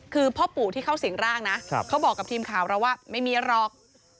คือพ่อปู่ที่เข้าสิงร่างนะเขาบอกกับทีมข่าวเราว่าไม่มีหรอก